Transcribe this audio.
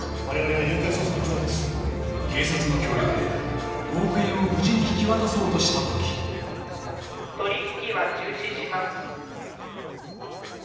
我々は誘拐捜査のプロです警察の協力で５億円を無事に引き渡そうとしたとき取り引きは中止します